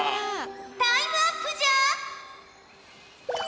タイムアップじゃ！